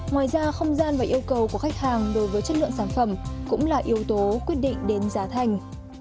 ngoài ra không gian và yêu cầu của khách hàng đối với chất lượng sản phẩm cũng là yếu tố quyết định đến giá thành